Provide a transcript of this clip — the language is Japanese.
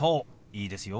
いいですよ。